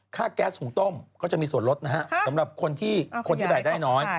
แก๊สหุงต้มก็จะมีส่วนลดนะฮะสำหรับคนที่คนที่รายได้น้อย